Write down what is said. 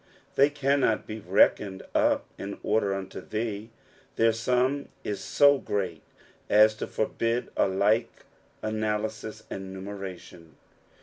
" They cannot it rKkontd up in lyrder unto thee.'" Their sum is so great as to forbid alike analysis and numeration.